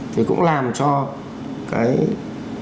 thì cũng làm cho cái kết quả